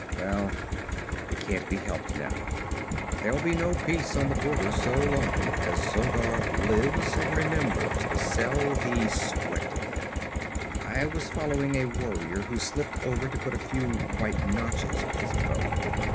'Well, it can't be helped now, but there'll be no peace on the border so long as Zogar lives and remembers the cell he sweated in. I was following a warrior who slipped over to put a few white notches on his bow.